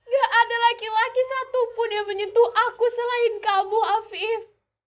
gak ada laki laki satu pun yang menyentuh aku selain kamu afif